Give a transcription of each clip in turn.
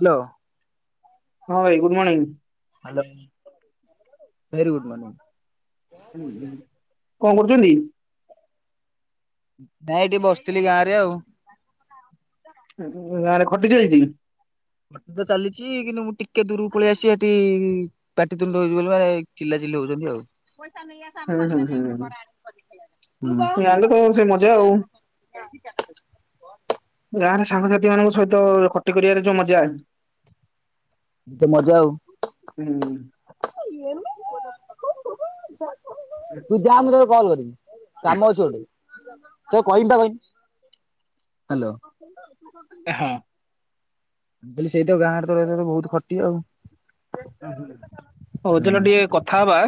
Hello. ହଁ ଭାଇ good morning. Hello very good morning. କଣ କରୁଛନ୍ତି? ନାଇଁ ଏଇଠି ବସିଥିଲି ଗାଁ ରେ ଆଉ। ଉଁ ଗାଁ ରେ ଖଟି ଚାଲିଛି। ଖଟି ତ ଚାଲିଛି କିନ୍ତୁ ମୁଁ ଟିକେ ଦୂରକୁ ପଳେଇ ଆସିଚି ସେଠି ପାଟି ତୁଣ୍ଡ ହଉଛି ବୋଲି ମାନେ ଚିଲାଚି ଚିଲି ହଉଛନ୍ତି ଆଉ। ହୁଁ। ହୁଁ ହୁଁ ହୁଁ। ର ସାଙ୍ଗସାଥି ମାନଙ୍କ ସହିତ, ଖଟି କରିବାରେ ଯୋଉ ମଜା ଏତ ମଜା ଆଉ। ହୁଁ। ତୁ ଯା ମୁଁ ତତେ କଲ କରିବି। କାମ ଅଛି ଗୋଟେ। ତ କହିମ୍ ପା କହିନି। ହ୍ୟାଲୋ! ହଁ। ମୁଁ କହିଲି ସେଇତ ଗାଁରେ ତ ରହିଲେ ବହୁତ ଖଟି ଆଉ। ହୁଁ ହୁଁ, ହଉ ହୁଁ ଚାଲ ଟିକେ କଥା ହବା,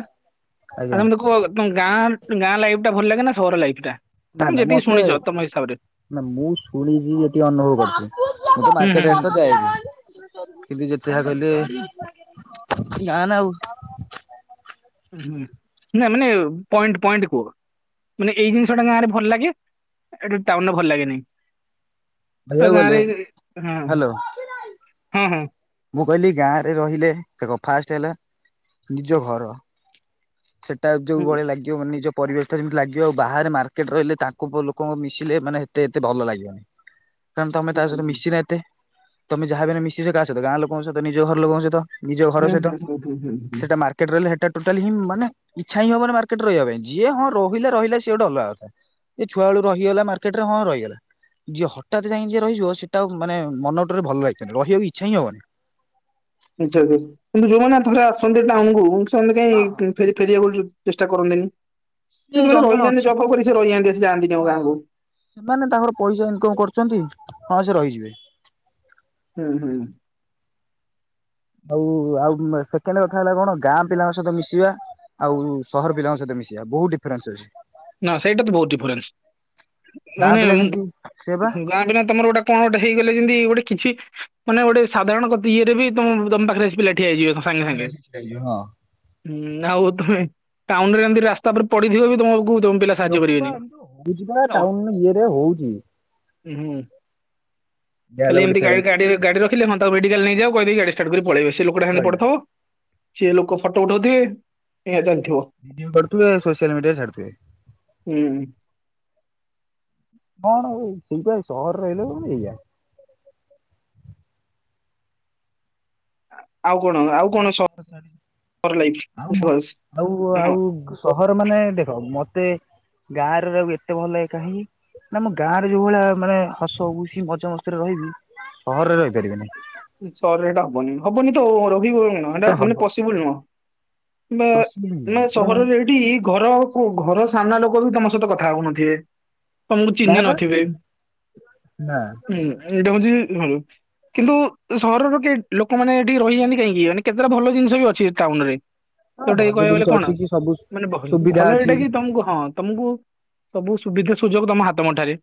ଆ ଆଜ୍ଞା ତମେ ତ କୁହ, ତମ ଗାଁ ଗାଁ ଲାଇଫ୍ ଟା ଭଲ ଲାଗେ ନା ସହର ଲାଇଫ୍ ଟା? ନା ତମେ ନା ଯେତିକି ମତେ ଶୁଣିଛ, ତମ ହିସାବ ରେ। ନା ମୁଁ ଶୁଣଛି ଏଠି ଅନୁଭବ କରୁଛି। ମୁଁ ତ ହୁଁ ହୁଁ ମାର୍କେଟ ଏତ ହୁଁ ଯାଇନି। କିନ୍ତୁ ଯେତେ ଯାହା କହିଲେ ଗାଁ ନା ଆଉ। ହୁଁ, ନା ମାନେ ପଏଣ୍ଟ ପଏଣ୍ଟ କୁହ। ମାନେ ଏଇ ଜିନିଷ ଟା ଗାଁରେ ଭଲ ଲାଗେ। ଏଟା ଟାଉନରେ ଭଲ ଲାଗେନି। ତ କହିବାକୁ ଗାଁ ଗଲେ ରେ ହଁ ହ୍ୟାଲୋ ହଁ ହଁ। ମୁଁ କହିଲି ଗାଁ ରେ ରହିଲେ ଫାଷ୍ଟ ହେଲା, ନିଜ ଘର ସେଟା ଯୋଉ ଭଳି ଲାଗିବ, ମାନେ ନିଜ ପରିବେଶ ଟା ଯେମିତି ଲାଗିବ, ଆଉ ବାହାରେ ମାର୍କେଟ ରହିଲେ, ତାଙ୍କୁ ଲୋକଙ୍କୁ ମିଶିଲେ ମାନେ ହେତେ ଏତେ ଭଲ ଲାଗିବ ନି। କାରଣ ତମେ ତା ସହିତ ହୁଁ ମିଶି ନ ଏତେ। ତମେ ଯାହା ବି ହେଲେ ମିଶିଛ କାହ ସହିତ ଗାଁ ଲୋକଙ୍କ ସହିତ ନିଜ ଘର ଲୋକଙ୍କ ସହିତ। ନିଜ ଘର ହୁଁ ସହିତ, ହୁଁ ହୁଁ ହୁଁ ହୁଁ ହୁଁ ସେଟା ମାର୍କେଟ ରହିଲେ ହେଟା ଟୋଟାଲି ହିଁ ମାନେ, ଇଚ୍ଛା ହିଁ ହବ ନି ମାର୍କେଟରେ ରହିବା ପାଇଁ। ଯିଏ ହଁ ରହିଲେ ରହିଲା ସିଏ ଗୋଟେ ଅଲଗା କଥା। ଏ ଛୁଆ ବେଳୁ ରହିଗଲା ମାର୍କେଟ ରେ ହଁ ରହିଗଲା। ଯିଏ ହଠାତ୍ ଯାଇଁ ଯିଏ ରହିବଯିବ। ସେଟା ଆ ମାନେ ମନଟା ରେ ଭଲ ଲାଗିବନି ରହିବା କୁ ଇ ଚ୍ଛା ହିଁ ହବନି। ଆଛା ଜି ଯୋଉ ମାନେ ଥୋଡା ଆସନ୍ତି ଟାଉନ କୁ ସେମାନେ ହଁ ହଁ। କାଇଁ ଫେରି ଫେରିବେ ବୋଲି ଚେଷ୍ଟା କରନ୍ତିନି। ସେ କିନ୍ତୁ ସେମାନେ ଜଣେ ଜଣେ ରହିଯାଆନ୍ତି। ଅଛି ଯବ୍ ଫବ୍ କରି ସେ ରହିଯାଆନ୍ତି ଏଠି। ଯାଆନ୍ତିନି ଆଉ ଗାଁ ହଁ କୁ। ସେମାନେ ତାଙ୍କର ପଇସା ଇନକମ୍ କରୁଛନ୍ତି, ହଁ ସେ ରହିଯିବେ। ହୁଁ ହୁଁ। ଆଉ ଆଉ ସେକେଣ୍ଡ କଥା ହେଲା କଣ? ଗାଁ ପିଲାଙ୍କ ସହିତ ମିଶିବା ଆଉ ସହର ପିଲାଙ୍କ ସହିତ ମିଶିବା ବହୁତ ଡିଫରେନ୍ସ ଅଛି। ନା ସେଇଟା ତ ବହୁତ ଡିଫରେନ୍ସ। ଗାଁ ମାନେ ପିଲା ଯେମିତି ସେ ବା ଗାଁ ବିନା ତମର ଗୋଟେ କଣ ଗୋଟେ ହେଇଗଲେ ଯିଁତି ଗୋଟେ କିଛି, ମାନେ ଗୋଟେ ସାଧାରଣ କତ ଇଏରେ ବି ତ-ତମ ପାଖରେ ଆସି ପିଲା ଠିଆ ହେଇଯିବେ ସାଙ୍ଗେ ପାଖରେ ସାଙ୍ଗେ। ଆସି ଛିଡା ହେଇଯିବେ ହଁ ହୁଁ, ଆଉ ତମେ ଟାଉନ ରେ ଏମିତି ରାସ୍ତା ଉପରେ ପଡିଥିବ, ବି ତମକୁ ତମ ପିଲା ସାହାଯ୍ୟ ଲୋକ ବା କରିବେନି ଏମତି ହଉଛି ବା ଅ, ଟାଉନ ଇଏରେ ହଉଛି। ହୁଁ, ଇଏ ହେଲା ଖାଲି ଗୋଟେ ଏମିତି ଡିଫରେନ୍ସ ଗା-ଗାଡି ଗାଡି ରଖିଲେ ହଁ ତାକୁ ମେଡ଼ିକାଲ ନେଇ ଯାଅ କହି ଦେଇ ଗାଡି ଷ୍ଟାର୍ଟ କରିଦେଇ ପଳେଇବେ। ସେ ଲୋକଟା ହେମତି ରହିଲା ପଡ଼ିଥିବ। ସେ ଲୋକ ଫଟୋ ଉଠଉଥିବେ। ଏୟା ଚାଲି ଭଡିଓ କରୁଥିବେ, ସୋସିଆଲ ମିଡିଆ ଛାଡ଼ୁଥୁବେ। ହୁଁ। କଣ ଏଇ ସେଇପା ସହରରେ ରହିଲ କଣ ଏଇଆ। [inaudible] ଆଉ କଣ ନାସ ଚାରୀ ସହର ଲାଇଫ ଆଉ ମ ବିକଜ ଆଉ ହଁ ଆଉ ସହର ମାନେ ଦେଖ ମ ଏତେ ଗାଁରେ ରହିବୁ, ଏତେ ଭଲ ଲାଗେ କାହିଁକି? ନା ଆମ ଗାଁ ରେ ଯୋଉ ଭଳିଆ ମାନେ ହସ ଖୁସି ମଜା ମସ୍ତିରେ ରହିବି, ସହରରେ ରହିପାରିବି ନି। ସଅରେ ହେଟା ହବନି। ହବନି ତ ଆଉ ରହିବକଣ ହେଟା ସେଟା ମାନେ ହବ ପସିବୁଲ୍ ନୁହଁ। ନା ପସିବୁଲ ନା ନୁହଁ କାରଣ ସହରରେ ଏଇଠି ଘରକୁ ଘର ସାମନା ଲୋକ ପୁଅବି ତମ ସହିତ କଥା ହଉନଥିଏ। ତମକୁ ନା ଚିହ୍ନି ବା ନଥିବେଁ ନା ଉଁ ଏଇଟା ହଉଚି କିନ୍ତୁ ସହରର କେ ଲୋକମାନୋନେ ଏଠିକି ରହିଯାନ୍ତି କାହିଁକି ମାନେ କେତେଟା ଭଲ ଜିନିଷ ବି ଅଛି ଟାଉନ ରେ। ହଁ ସେଟା ଭଲ କି କହିବାକୁ ଗଲେ ଜିନିଷ କଣ ଅଛି କି ସବୁ ମାନେ ସୁବିଧା ଭଲ ଅଛି ଏଇଟା କି ତମକୁ ହଁ ତମକୁ ସବୁ ସୁବିଧା ସୁଯୋଗ ତମ ହାତ ମୁଠାରେ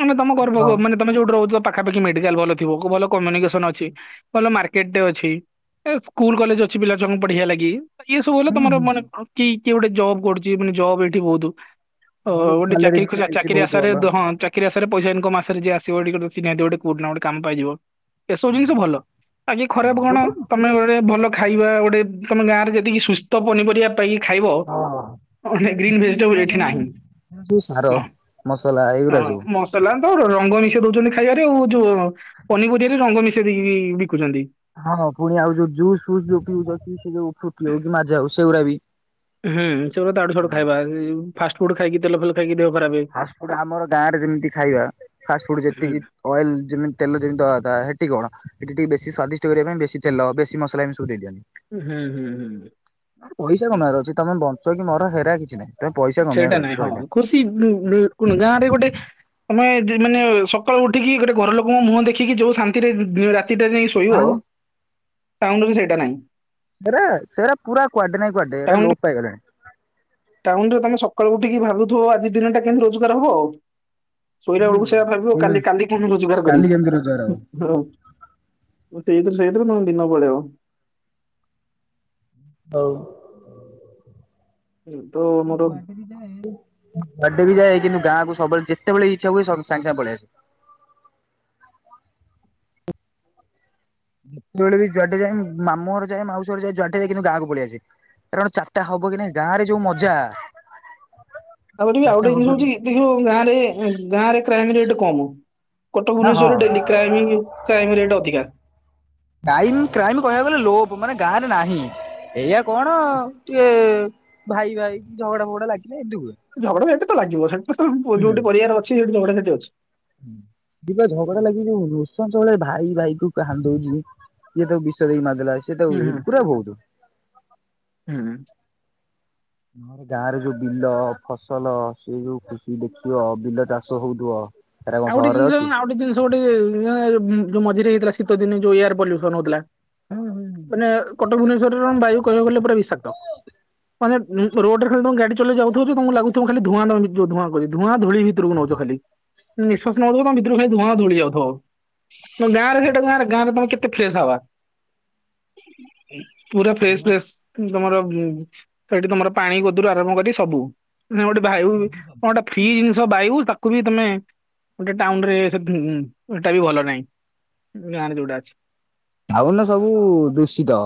ମାନେ ତମ ଗର୍ବ ମାନେ ତମେ ଯୋଉଠି ରହୁଛ ପାଖାପାଖୀ ମେଡାକାଲ୍ ଥିବ ଭଲ କମ୍ୟୁନିକେସନ ଅଛି। ଭଲ ମାର୍କେଟରେ ଅଛି ସ୍କୁଲ କଲେଜ ଅଛି ପିଲାଛଆଙ୍କୁ ପଢ଼ିଆ ଲାଗି ଏ ଇଏ ସବୁ ହେଲା ତମର ହଁ। ମାନେ କି କିଏ ଗୋଟେ ଜବ୍ କରୁଛି ମାନେ ଜବ ଏଇଠି ବହୁତ। ଓ ଭଲ ଗୋଟେ ସାଲାରୀ ଚାକିରୀ ବି ଖୋଜିବା ମିଳୁଛି ଚାକିରିଆ ବହୁତ ସାରେ ଭଲ। ହଁ ଚାକିରୀଆ ସାରେ ମାସରେ ହଁ [unintelligible] ଭଲ ଆଗେ ଖରାପ ହଁ ଭାବନା ଗୋଟେ ତମେ ଗୋଟେ ଭଲ ଖାଇବା ଗୋଟେ ତମେ ଗାଁରେ ଯେତିକି ସୁସ୍ଥ ପନିପରିବା ପାଇକ ଖାଇବ ହଁ। ଗ୍ରୀନ ଭେଜିଟେବଲ ଏରା ଏଠି ସବୁ ନାହିଁ। ଏରା ସବୁ ସାର ନାଁ ମସଲା ଏଇଗୁଡା ସବୁ ଆ ରଙ୍ଗ ମିଶେଇ ଦଉଛନ୍ତି ଖାଇବାରେ ଆଉ ଯୋଉ ପନିପରିବାରେ ରଙ୍ଗ ମିଶେଇ ଦେଇକି ବିକୁଛନ୍ତି। ହଁ ପୁଣି ଆଉ ଯୋଉ ଜୁସ୍ସ୍ ଯୋଉ ପିଉ ସେ ଯୋଉ ଫୁଟି ହଉ କି ମାଝା ହଉ ସେଗୁଡା ବି ହୁଁ ସେ ଭୋଧେ ଇଆଡୁ ସିଆଡୁ ଖାଇବା ଫାଷ୍ଟ ଫୁଡ ଖାଇକି ତେଲ ଫଲ ଖାଇକି ଦେହ ଖରାପ। ଫାଷ୍ଟଫୁଡ ଆମର ଗାଁ ରେ ଯେମିତି ଖାଇବା ଫାଷ୍ଟ ଫୁଡ ହୁଁ ଯେତିକି ଅଏଲ ଯେମିତି ତେଲ ଯେମିତି ଦବା ସେଠି କଣ ଏଠ ଟିକେ ବେଶୀ ସ୍ଵାଦିଷ୍ଟ କରିବା ପାଇଁ ବେଶୀ ତେଲ ବେଶୀ ମସଲା ତ ଦେବେନି ହୁଁ ହୁଁ ହୁଁ ପଇସା କମାର ଅଛି ତମେ ବଞ୍ଚ କି ମୋର ହେରା କିଛି ନାହିଁ। ତମେ ପଇସା କମେଇବାର ସେଇଟା ଅଛି ନାଇଁ ହଁ ସଇଲା। ଖୁସି ଗାଁ ରେ ଗୋଟେ ତମେ ମାନେ ସକାଳୁ ଉଠିକି ଗୋଟେ ଘର ଲୋକଙ୍କ ମୁହଁ ଦେଖିକି ଯୋଉ ଶାନ୍ତିରେ ରା କି ଡେବି ଶୋଇବ ଆଉ ତାହଲେ ଵି ସେଇଟା ନାହିଁ। ହେରା ସେରା ପୁରା କୁଆଡେ ନାହିଁ କୁଆଡେ ଏରା ଲୋପ ପାଇ ଗଲାଣି। ଟାଉନ ରେ ତମେ ସକାଳୁ ଉଠିକି ଭାବୁଥିବ ଆଜି ଦିନ ଟା କେମିତି ରୋଜଗାର ହବ ଆଉ ଶୋଇଲା ହୁଁ ବେଳକୁ ସେ ଭାବିବ ପୁଣି କାଲି କାଲି ରୋଜଗାର କାଲି କରିଵି କେମିତି ରୋଜଗାର ହବ? ହୁଁ ହୁଁ। ସେଇ ଥିରେ ସେଇ ଥିରେ ତମ ଦିନ ପଳେଇବ। ହୋଉ। ତ ମୋର [unintelligible] ଗାଁ କୁ ସବୁବେଳେ ଯେତେବେଳେ ଇଚ୍ଛା ହୁଏବୁ ସାଙ୍ଗେ ସାଙ୍ଗେ ପଳେଇଆସେ। ଯେତେବେଳେ ବି ଯୁଆଡେ ଯାଏ ମାମୁଁ ଘର ଯାଏ ମାଉସି ର ଯାଏ ଯୁଆଡେ ଯାଏ କିନ୍ତୁ ଗାଁ କୁ ପଳେଇଆସେ। କାରଣ ଚାରିଟା ହବ କି ନାଇଁ ଗାଁ ରେ ଯୋଉ ମଜା ଚାରିଟା ହବ କି [unintelligible] କଟକ ହଁ ହଁ ଭୁବନେଶ୍ୱର ଡେ଼ଲି କ୍ରାଇଭି କ୍ରାଇମି ରେଟ ଅଧିକା କ୍ରାଇମ କ୍ରାଇମ କହିବାକୁ ଗଲେ ଲୋପ ମାନେ ଗାଁ ରେ ନାହିଁ। ଏଇଆ କଣ ଟିକେ ଭାଇ ଭାଇ ଝଗଡା ଫଗଡା ଲାଗେ ଝଗଡା ଝାଣ୍ଟି ଲାଗିବ ସେଠି ତ ଯୋଉଠି ପରିବାର ଅଛି ସେଠି ଝଗଡାଝାଟି ଅଛି। ହୁଁ ଯିବା ଝଗଡ଼ା ଲାଗିବ ନୃସନ୍ସ ଭାଇ ଭାଇ କୁ କାନ୍ଦୁ ଉଛିଯିଏ ତାକୁ ବିଷ ଦେଇକି ମାରିଦେଲା ସେଏ ତ ହୁଁ ହୁଁ ପୁର ବୋହୁତ ହୁଁ। ଗାଁରେ ଯୋଉ ବିଲ ଫସଲ ସେ ଯୋଉ ଖୁସି ଦେଖିବ ବିଲ ଚାଷ ହୋଉଥିବ। ଆଉ ଗୋଟେ ଜିନିଷ ଆଉ ଗୋଟ ଜିନିଷ ଗୋଟେ ଯୋଉ ମଝିରେ ହେଇଥିଲା ଶୀତ ଦିନେ ଯୋଉ ଏୟାର ପଲ୍ୟୁସନ ହୋଉଥିଲା। ମାନେ କଟକ ଭୁବନେଶ୍ଵରରେ ବାୟୁ କହିବାକୁ ଗଲେ ପୁରା ବିଷାକ୍ତ। ମାନେ ରୋଡରେ ଖାଲି ଗାଡି ଚଲେଇ ଯାଉଥିବ ତମକୁ ଲାଗୁଥିବ ଖାଲି ଧୂଆଁ ଧୂଆଁ ଧୂଆଁ ଧୂଳି ଭିତରକୁ ନୋଉ ଆଉ ଖାଲି ନିଶ୍ୱାସ ନୋଉଥିବ ଭିତରକୁ ଖାଲି ଧୂଆଁ ଧଳି ଯାଉଥିବ ତ ଗାଁରେ ସେଇଟା ଗାଁରେ ଗାଁରେ ତମେ କେତେ ଫ୍ରେଶ ହବା ପୁରା ଫ୍ରେଶ ଫ୍ରେଶ ତମର ସେଠି ତମର ପାଣି ଗୋଦରୁ ଆରମ୍ଭ କରି ସବୁ ଗୋଟେ ବାୟୁ କଣ ଗୋଟେ ଫ୍ରି ଜିନିଷ ବାୟୁ ତାକୁ ବି ତମେ ଗୋଟେ ଟାଉନ ରେ ସେଟା ବି ଭଲ ନାହିଁ ଗାଁ ରେ ଯୋଉଟା ଅଛି। ବାୟୁ ସବୁ ଦୂଷିତ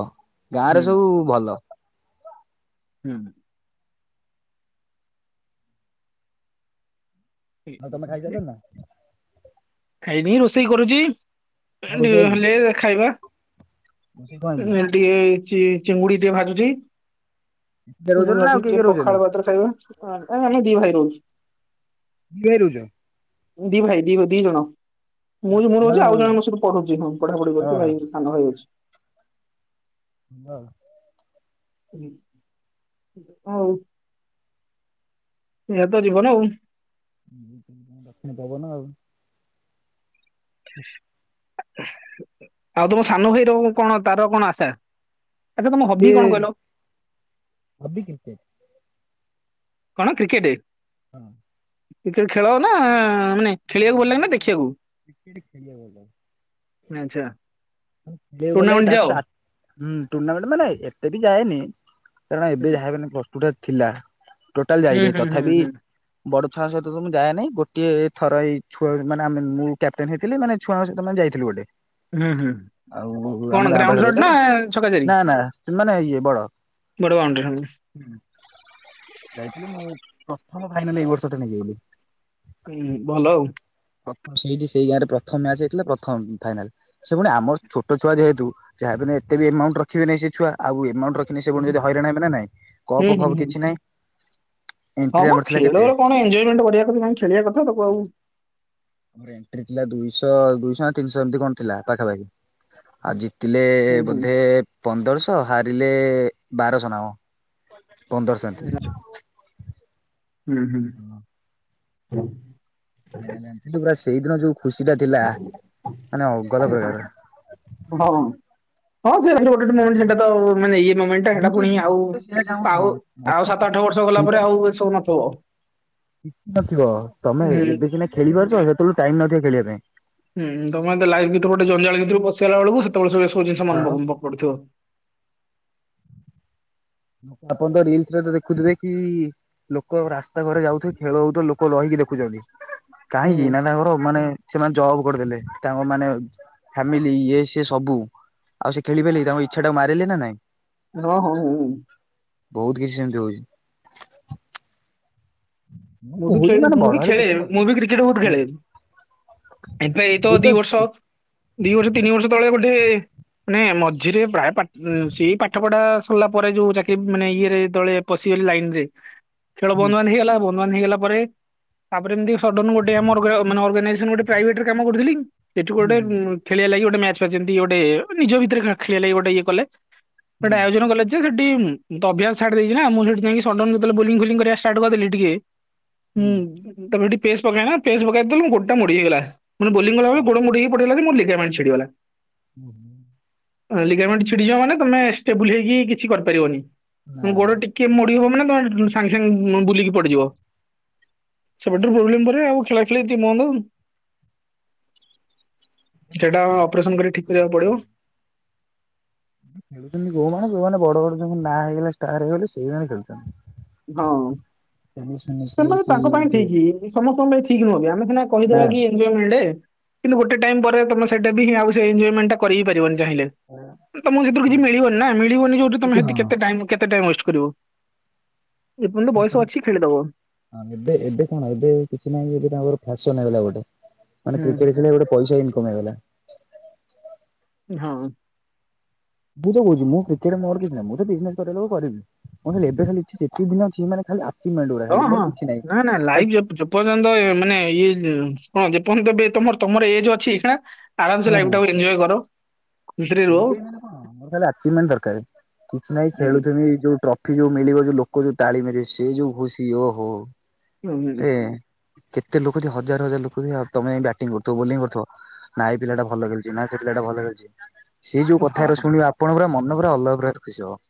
ଗାଁରେ ହୁଁ ସବୁ ଭଲ। ହୁଁ। ଆଉ ତମେ ଖାଇ ସାରିଲଣି ନା? ଖାଇବି ରୋଷେଇ କରୁଛି କଣ ରୋଷେଇ ଆଜି? ହେଲେ ଖାଇବା। ରୋଷେଇ କଣ ହେଇଛି? ଏ ଟିକେ ଚିଙ୍ଗୁଡି ଟିକେ ଭାଜୁଛି। ଏକୁଟିଆ ମୁଁ ରହୁଛନ୍ତି ନା ଆଜି ଆଉ କିଏ ଟିକେ କିଏ ରହୁଛନ୍ତି? ପଖାଳ ଭାତରେ ଖାଇବା ଦି ଭାଇ ରହୁଛୁ। [unintelligible] ଦି ଭାଇ ଦି ଦି ଜଣ। ମୁଁ ମୋର ରହୁଛି ମାନେ ଆଉ ଜଣମୋ ସହିତ ପଢୁଛି ହଁ ପଢାପଢି କରୁଚି ଭାଇ ସାନ ଭାଇ ଅଛି। ହଁ। ହଉ। ଏ ତ ଯିବନି ଆଉ। ଦକ୍ଷିଣ ପବନ ଆଉ। [inaudible] ଆଉ ତୁମ ସାନ ଭାଇ ର କଣ ତାର କଣ ଆଶା? ଆଚ୍ଛା ତମ ଯେ ହବି କଣ କହିଲ? ହବି କ୍ରିକେଟ କଣ କ୍ରିକେଟ୍। ହଁ କ୍ରିକେଟ ଖେଳ ନା ମାନେ ନା ଖେଳିବାକୁ ଭଲ ନା ଲାଗେ ମାନେ ଦେଖିବାକୁ? କ୍ରିକେଟ ଖେଳିବା ଆଚ୍ଛା [unintelligible] ସେ ବଲେ ଟୁର୍ଣ୍ଣାମେଣ୍ଟ ତା ଯାଅ ହୁଁ ସହିତ ଆ ହୁଁ ଟୁର୍ଣ୍ଣାମେଣ୍ଟ ମାନେ ଏତେ ବି ଯାଏନି କାରଣ ଏବେ ଯାହାବି [unintelligible] ଥିଲା। ଟୋଟାଲ ହୁଁ ଯାଇନି ହୁଁ ହୁଁ ତଥାପି ହୁଁ ବଡ଼ ଛୁଆ ଙ୍କ ସହିତ ତ ମୁଁ ଯାଏନି ଗୋଟିଏ ଥର ଏଇ ଛୁଆ ମାନେ ଆମେ ମୁଁ କ୍ୟାପଟେନ ହେଇଥିଲି ମାନେ ଛୁଆଙ୍କ ସହିତ ଯାଇଥିଲୁ ଗୋଟେ। ହୁଁ ହୁଁ ଆଉ କଣ ଆମ ଗାଁ ଗ୍ରାଉଣ୍ଡ ପାଖରେ ସଟ୍ ଗୋଟେ ନା ଛକା ଚାରି? ନା ନା ମାନେ ଇଏ ବଡ଼। ବଡ ବାଉ [unintelligible] ଯାଇଥିଲୁ ମୁଁ ପ୍ରଥମ ଫାଇନାଲ ଏଇ ବର୍ଷ ଟା ନେଇଯାଇଥିଲି। ହୁଁ ଭଲ ଆଉ। ଥ ସେଇଠି ସେଇ ଗାଁ ରେ ପ୍ରଥମ ମ୍ୟାଚ ହେଇଥିଲା ପ୍ରଥମ ଫାଇନାଲ ସେ ପୁଣି ଆମର ଛୋଟ ଛୁଆ ଯେହେତୁ ଯାହା ସେ ଏତ ବି ଏମାଉଣ୍ଟ୍ ରଖିବେ ନାଇଁ ସେ ଛୁଆ ଆଉ ଏମାଉଣ୍ଟ ରଖି ସେ ଯଦି ହଇରାଣ ମାନ ନାଇଁ ହୁଁ କପ୍‌ ହୁଁ ଫପ ହୁଁ। କିଛି ନାହିଁ। ହଁ ଏଣ୍ଟ୍ରି ମ ଆମର ଥିଲା କେତେ ଖେଳରେ କଣ ଏଜୟମେଣ୍ଟ୍ କରିବା ଖେଳିବା କଥା ତାକୁ ଆଉ ଆ ଏଣ୍ଟ୍ରିଥିଲା ଦୁଇଶହ ଦୁଇଶ ତିନିଶହ ଏମିତି କଣ ଥିଲା ପାଖାପାଖି ଆଉ ଜିତିଲେ ହୁଁ। ବୋଧେ ପନ୍ଦରଶହ। ହାରିଲେ ବାରଶହ ନା କଣ ପନ୍ଦରସ ଏ ହଁ ହୁଁ ହଁ ହୁଁ। [unintelligible] ପୁରା ସେଇ ଦିନ ଯୋଉ ଖୁସି ଟା ଥିଲା ମାନେ [unintelligible] ପ୍ରକାର। ହଁ। ହଁ। ଗୋଟେ [unintelligible] ସେଟା ତ ମାନେ ଇଏ ମୁମେଣ୍ଟ୍ ମୁଁ ଟା ତ ଆଉ ମୁଁ ତ ସେଇଆ ଚାହୁଁଛି ଆଉ ଆଉ ମତେ ସାତ ଆଠ ବର୍ଷ ଗଲା ସେଇଟା ତାପରେ ଆଉ ଏସବୁ ନଥବ। କିଛି ନଥିବ ତମେ ଏବେ କିନା ଖେଳିପାରୁଛ ସେତେବେଳୁ ଟାଇମ୍ ନଥିବ ଖେଳିବାକୁ। ହୁଁ ତମେ ଲାଇଫ୍ ଗୋଟେ ଜଞ୍ଜାଳ ଭିତରକୁ ପସିଗଲା ବେଳକୁ ସେତବେଳେ ସ ସବୁ ଜିନିଷ ମ ମନେ ପଡୁଥିବ। ଆପଣ ତ ରିଲସରେ ଦେଖୁଥିବେ କି ଲୋକ ରାସ୍ତା ଘରେ ଯାଉଥିବେ ଖେଳ ହଉଥିବ ଲୋକ ରହିକି ଦେଖୁଛନ୍ତି କାହିଁକି ନା ହୁଁ ତାଙ୍କର ମାନେ ସେମାନେ ଜବ୍ କରିଦେଲେ ତାଙ୍କ ମାନେ ଫ୍ୟାମିଲି ଇଏ ସିଏ ସବୁ। ଆଉ ସେ ଖେଳିପାରିଲେ କି ତାଙ୍କ ଇଚ୍ଛା ଟାକୁ ମାରିଲେ ନା ନାଇଁ। ହଁ ହଁ ହୁଁ। ବହୁତ୍ କିଛି ସେମିତି ହଉଛି। ମୁଁ ବି କହୁଛି ଖେଳି ମାନେ ମୁଁ ବଡ ବି ହେଲେ ଖେଳେ କିଛି ନାହିଁ ମୁଁ ବି କ୍ରିକେଟ ବହୁତ ଖେଳେ। ଏଇ ଏବେ ଏଇତ ଦି ତ ବର୍ଷ ହୁଁ ଦି ବର୍ଷ ତିନି ବର୍ଷ ତଳେ ଗୋଟେ ନାଇଁ ମଝିରେ ପ୍ରାୟ ପାଠ ସେଇ ପାଠପଢା ସରିଲା ପରେ ଯୋଉ ଚାକିରୀ ମାନେ ଇଏରେ ଯେତେବେଳେ ପଶି ଗଲି ଲାଇନ୍ ରେ ଖେଳ ହୁଁ ବନ୍ଦ ବାନ୍ଦ୍ ହେଇଗଲା ବନ୍ଦ ବାନ୍ଦ୍ ହେଇଗଲା ପରେ, ତାପରେ ଏମତି ସଡ଼ନ୍ ଗୋଟେ ଆମର ଗ ମାନେ ଅର୍ଗାନାଇଜେସନ ଗୋଟେ ପ୍ରାଇଭେଟରେ କାମ କରୁଥିଲି ସେଠୁ ଗୋଟେ ହୁଁ ଖେଳିବା ଲାଗି ଗୋଟେ ମ୍ୟାଚ୍ ଫ୍ୟାଚ ଯେମତି କି ଗୋଟେ ନିଜ ଭିତରେ ଖେଳି ଖେଳିବା ଲାଗି ଗୋଟେ ଇଏ କଲେ ଗୋଟେ ଆୟୋଜନ କଲେ ଯେ ଡି ଉଁ ମୁଁ ତ ଅଭ୍ୟାସ ଛାଡି ଦେଇଛି ନା ମୁଁ ସେଉଠୁ ଯାଇଁକି ସଡ଼ନ୍ ଯେତେବେଳେ ବୋଲିଙ୍ଗ୍ ଫୋଲିଂ କରିଆ ଷ୍ଟାର୍ଟ କରିଦେଲି ଟିକେ ହୁଁ ତାପରେ ସେଠି ପେସ ପକାଇ ନା ପେସ ପକାଇ ଦେଲେ ଗୋଡ଼ଟା ମୋଡ଼ି ହେଇଗଲା ମାନେ ବୋଲିଙ୍ଗ କଲାବେଳେ ଗୋଡ଼ ମୋଡ଼ି ହେଇକି ପଡିଗଲା ଯେ ମୋ ଲିଗାମେଣ୍ଟ ଛିଡିଗଲା। ହୁ ଲିଗାମେଣ୍ଟ୍ ଛିଡି ଯିବ ମାନେ ତମେ ଷ୍ଟେବୁଲ ହେଇକି କିଛି କରିପାରିବନି। ନା ମାନେ ନା। ଗୋଡ ଟିକେ ମୋଡି ହବ ମାନେ ତମେ ସାଙ୍ଗ ସାଙ୍ଗେ ବୁଲିକି ପଡିଯିବ। ସେବେଠାରୁ ପ୍ରୋବ୍ଲେମ ପରେ ଆଉ ଖେଳା ଖେଳି ଟିକେ ବନ୍ଦ ଆଉ। ସେଟା ଅପରେସନ କରି ଠିକ କରିବାକୁ ପଡିବ। ଖେଳୁଛନ୍ତି ଯୋଉମାନେ ଯୋଉମାନେ ବଡ ବଡ ଯୋଉମାନେ ନାଁ ହେଇଗଲେ ଷ୍ଟାର ହେଇଗଲେ ସେଇମାନେ ଖେଳୁଛନ୍ତି। ହଁ ନା ସେମାନେ ତାଙ୍କ ପାଇଁ ଠିକ। ସମସ୍ତଙ୍କ ପାଇଁ ଠିକ ନୁହଁନ୍ତି ଆମେ ମେ କହିଦବା କି ଏନ୍ଜୟମେଣ୍ଟ କିନ୍ତୁ ଗୋଟେ ଟାଇମ ପରେ ତମେ ସେଟା ବି ହିଁ ଆଉ ସେ ଏନ୍ଜୟମେଣ୍ଟ ଟା କରି ହିଁ ପାରିବନି। ଚାହିଁଲେ ବି। ତମକୁ ସେଥିରୁ କିଛି ମିଳିବନି ନା ମିଳିବନି ଯୋଉଠି ତମେ କିଛି ସେଠି ହଁ। କେତେ ଟାଇମ୍ କେତେ ଟାଇମ୍ ୱେଷ୍ଟ କରିବ। ଏପର୍ଯ୍ୟନ୍ତ ବୟସ ଅଛି ଖେଳିଦବ। ହଁ ଏବେ ଏବେ କଣ ଏବେ କିଛି ନାହିଁ ଏବେ ତାଙ୍କର ଫ୍ୟାସନ ହେଇଗଲା ଗୋଟେ। ମାନେ ହୁଁ କ୍ରିକେଟ ହୁଁ। ଖେଳିଆ ଗୋଟେ ପଇସା ଇନକମ ହେଇଗଲା। ହଁ। ମୁଁ ତ କହୁଚି ମୁଁ କ୍ରିକେଟ୍ ମୋର କିଛି ନାହିଁ ମୁଁ ତ ବିଜନେସ କରିଆ ଲୋକ କରିବି, ମୋ ଖାଲି ଏବେ ଖାଲି ଇଚ୍ଛା ଯେତିକି ଦିନ ଅଛି ମାନେ ଖାଲି ଆଚିଭମେଣ୍ଟ ଗୁରା ହଁ ଖାଲି ମୋର ହଁ କିଛି ନାହିଁ ନାଇଁ ନାଇଁ ଖାଲି ଲାଇଭ ଯେ-ଯେପର୍ଯ୍ୟନ୍ତ ମାନେ ଇଏ ହଁ ଯେପର୍ଯ୍ୟନ୍ତ ବି ତମର ତମର ଏଜ ଅଛି ଏଇଖିଣା, ଆରାମସେ ଲାଇଫ୍ ଟାକୁ ଏଞ୍ଜୟ କର ଖୁସିରେ ରୁହ ତାହେଲେ ଆଜି ମେନ୍ ଦରକାର କିଛି ନାହିଁ ହୁଁ। ଖେଳୁଚନ୍ତି ଏଇ ଯୋଉ ଟ୍ରଫି ଯୋଉ ମିଳିବ ଯୋଉ ଲୋକ ଯୋଉ ତାଳି ମାରିବେ ସେ ଯୋଉ ଖୁସି ଓହୋ। ଏ [unintelligible] କେତେ ଲୋକ ଯଦି ହଜାର ହଜାର ଲୋକ ବି ତମେ ବ୍ୟାଟିଂ କରୁଥିବ ବୋଲିଂ କରୁଥିବ ନାଁ ଏଇ ପିଲାଟା ଭଲ ଖେଳୁଛି ନା ସେଇ ପିଲା ଭଲ ଖେଳୁଛି ସେଇ ଯୋଉ କଥା ହଁ ଗୁରା ହଁ ଶୁଣିବ ଆପଣ ପୁରା ମନ ପୁରା ଅଲଗା ପ୍ରକାର ଖୁସି ହବ।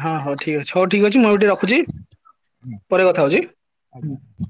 ହଁ ହଉ ଠିକ ଅଛି। ହଉ ଠିକ ଅଛି। ମୁଁ ଏବେ ଟିକେ ରଖୁଛି? ପରେ କଥା ହଉଛି। ଆଜ୍ଞା।